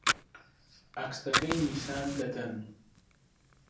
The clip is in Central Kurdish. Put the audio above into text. عەکسەکەی نیشان دەدەن